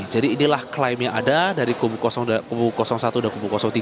jadi inilah klaim yang ada dari kubu satu dan kubu tiga